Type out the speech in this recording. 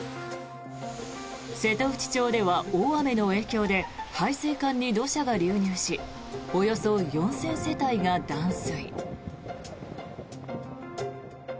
瀬戸内町では大雨の影響で配水管に土砂が流入しおよそ４０００世帯が断水。